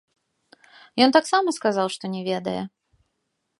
Ён таксама сказаў, што не ведае.